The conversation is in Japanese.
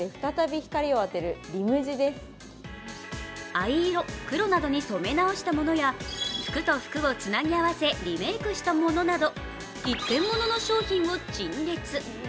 藍色、黒などに染め直したものや服と服をつなぎ合わせリメイクしたものなど一点ものの商品を陳列。